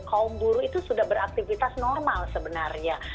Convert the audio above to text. kaum buruh itu sudah beraktivitas normal sebenarnya